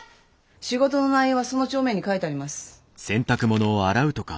仕事の内容はその帳面に書いてあります。